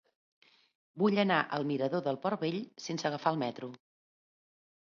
Vull anar al mirador del Port Vell sense agafar el metro.